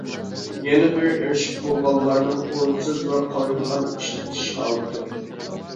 يەنە بىرى ئېرىشىپ بولغانلارنىڭ ئورۇنسىز ۋە قالايمىقان ئىشلىتىش ھالىتى.